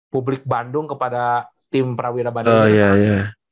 publik bandung kepada tim prawira bandung raya